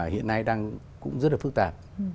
hiện nay đang cũng rất là phức tạp